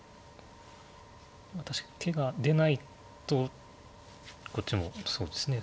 確かに手が出ないとこっちもそうですね